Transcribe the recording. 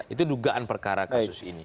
itu dugaan perkara kasus ini